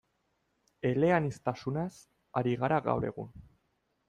Eleaniztasunaz ari gara gaur egun.